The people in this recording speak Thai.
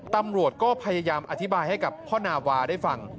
ตำรวจก็พยายามอธิบายให้กับพ่อนาวาได้ฟัง